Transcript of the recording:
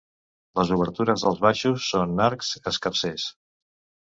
Les obertures dels baixos són arcs escarsers.